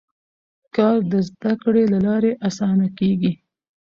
کار د زده کړې له لارې اسانه کېږي